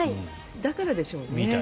だからでしょうね。